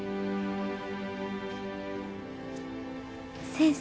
先生？